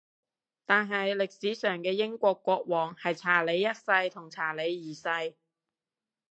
但係歷史上嘅英國國王係查理一世同查理二世